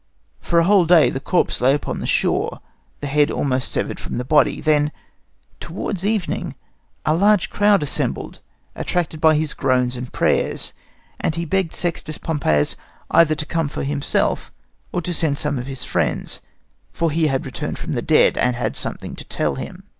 For a whole day the corpse lay upon the shore, the head almost severed from the body. Then, towards evening, a large crowd assembled, attracted by his groans and prayers; and he begged Sextus Pompeius either to come to him himself or to send some of his friends; for he had returned from the dead, and had something to tell him.